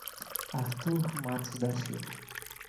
Arthur Matos da Silva